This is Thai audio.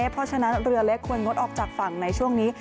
เพราะฉะนั้นเรือเล็กควรงดออกจากฝั่งในช่วงนี้